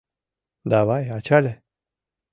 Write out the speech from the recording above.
— Давай, ачале!